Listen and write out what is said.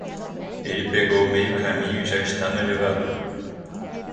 Ele pegou meio caminho e já está no elevador.